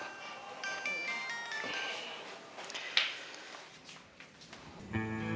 tidak mas arfi